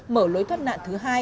mở lối thoát nạn thứ hai